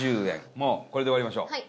もう、これで終わりましょう。